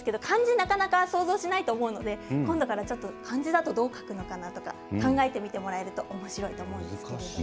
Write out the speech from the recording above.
なかなか想像しないと思うので今度から漢字だとどう書くのかなとか考えてみてもらえるとおもしろいと思います。